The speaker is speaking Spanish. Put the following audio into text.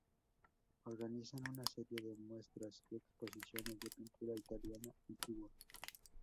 Organizan una serie de muestras y exposiciones de pintura italiana antigua.